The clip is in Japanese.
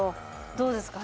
どうですか？